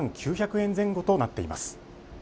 円前後となっています。